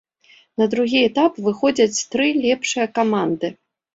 На другі этап выходзяць тры лепшыя каманды.